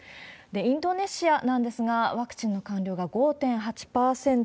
インドネシアなんですが、ワクチンの完了が５．８％。